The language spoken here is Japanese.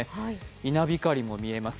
稲光も見えます。